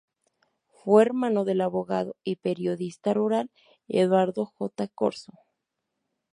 Fue hermano del abogado y periodista rural Eduardo J. Corso.